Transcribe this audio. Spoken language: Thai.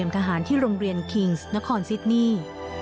ทหารที่โรงเรียนคิงส์นครซิดนี่